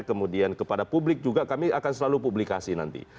kemudian kepada publik juga kami akan selalu publikasi nanti